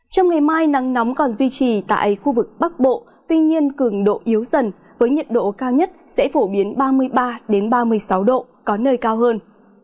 trong ngày mai nắng nóng còn duy trì tại khu vực bắc bộ tuy nhiên cường độ yếu dần với nhiệt độ cao nhất sẽ phổ biến ba mươi ba ba mươi sáu độ có nơi cao hơn